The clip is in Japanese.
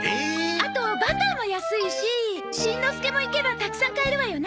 あとバターも安いししんのすけも行けばたくさん買えるわよね。